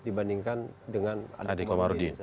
dibandingkan dengan adik adik